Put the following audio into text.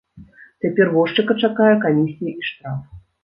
Цяпер возчыка чакае камісія і штраф.